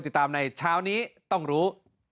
ติดตามในเช้านี้ต้องรู้